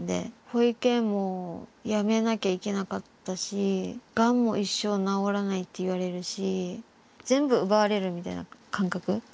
保育園もやめなきゃいけなかったしがんも一生治らないって言われるし全部奪われるみたいな感覚。